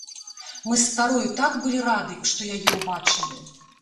Мы з старою так былі рады, што яе ўбачылі!